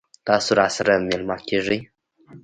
تاسو راسره میلمه کیږئ؟